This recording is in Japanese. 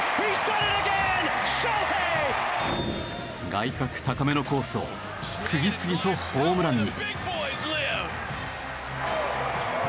外角高めのコースを次々とホームランに。